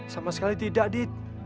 sama sekali tidak dit